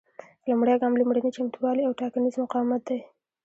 لومړی ګام لومړني چمتووالي او ټاکنیز مقاومت دی.